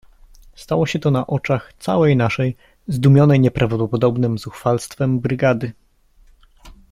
"Stało się to na oczach całej naszej, zdumionej nieprawdopodobnem zuchwalstwem brygady."